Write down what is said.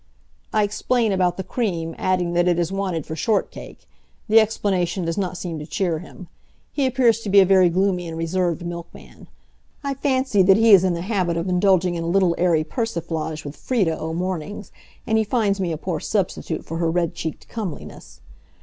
I explain about the cream, adding that it is wanted for short cake. The explanation does not seem to cheer him. He appears to be a very gloomy and reserved milkman. I fancy that he is in the habit of indulging in a little airy persiflage with Frieda o' mornings, and he finds me a poor substitute for her red cheeked comeliness.